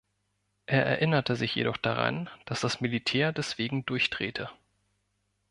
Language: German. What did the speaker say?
Er erinnerte sich jedoch daran, dass das Militär deswegen durchdrehte.